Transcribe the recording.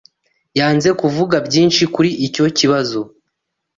Yanze kuvuga byinshi kuri icyo kibazo.